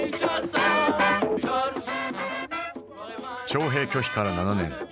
徴兵拒否から７年。